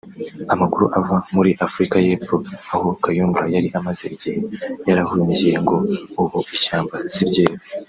Amakuru ava muri Afrika y’Epfo aho Kayumba yari amaze igihe yarahungiye ngo ubu ishyamba siryeru